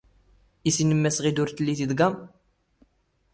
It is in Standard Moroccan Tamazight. ⵉⵙ ⵉⵏⵎ ⵎⴰⵙ ⵖⵉⴷ ⵓⵔ ⵜⵍⵍⵉⴷ ⵉⴹⴳⴰⵎ?